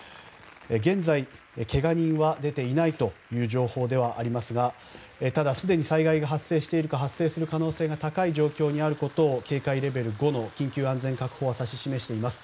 現在、けが人は出ていないという情報ではありますがただ、すでに災害が発生しているか発生する可能性が高い状況にあることを警戒レベル５の緊急安全確保は指し示しています。